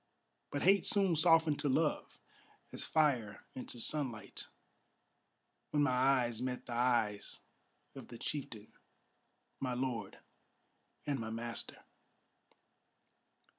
But hate soon softened to love, as fire into sunlight, When my eyes met the eyes of the chieftain, my lord, and my master.